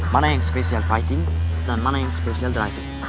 mana yang spesial fighting dan mana yang spesial driving